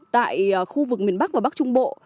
tại khu vực miền bắc và bắc trung bộ